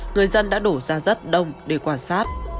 người dân đã đổ ra rất đông để quan sát